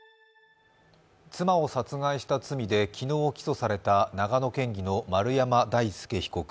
妻を殺害した罪で昨日起訴された長野県議の丸山大輔被告。